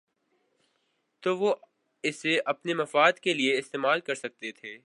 تو وہ اسے اپنے مفاد کے لیے استعمال کر سکتے تھے۔